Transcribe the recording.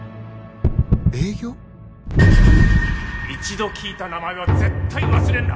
一度聞いた名前は絶対忘れるな。